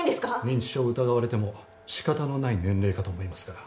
認知症を疑われても仕方のない年齢かと思いますが。